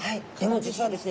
実はですね。